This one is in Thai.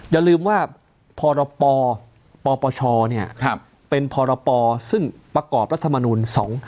อย่าลืมว่าพรปปชเป็นพรปซึ่งประกอบรัฐมนูล๒๕๖